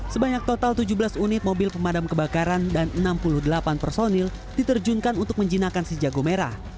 sebanyak total tujuh belas unit mobil pemadam kebakaran dan enam puluh delapan personil diterjunkan untuk menjinakkan si jago merah